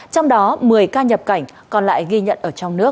trong đó một mươi ca nhập cảnh còn lại ghi nhận ở trong nước